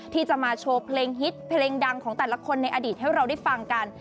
ที่จะมาโชว์เพลงฮิตเพลงดังของแต่ละคนในอดีตให้เราได้ฟังกัน